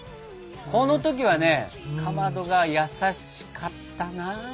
この時はねかまどが優しかったなあ！